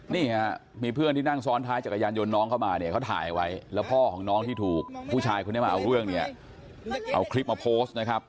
นี่ฮะมีเพื่อนที่นั่งซ้อนท้ายจักรยานยนต์น้องเข้ามาเนี่ยเขาถ่ายไว้แล้วพ่อของน้องที่ถูกผู้ชายคนนี้มาเอาเรื่องเนี่ยเอาคลิปมาโพสต์นะครับ